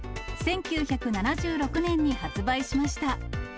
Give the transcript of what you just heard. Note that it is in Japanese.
１９７６年に発売しました。